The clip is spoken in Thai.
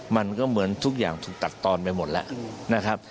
มันก็เหมือนทุกอย่างถูกตัดตอนไปหมดแล้วนะครับ